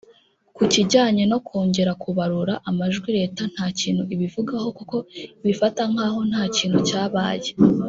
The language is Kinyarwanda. Ku kijyanye ko kongera kubarura amajwi leta nta kintu ibivugaho kuko ibifata nk’aho nta kintu cyabaye